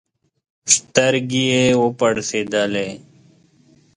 سترګي یې وپړسېدلې